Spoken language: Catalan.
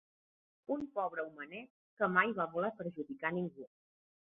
Un pobre homenet que mai va voler perjudicar ningú!